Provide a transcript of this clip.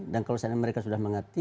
dan kalau mereka sudah mengerti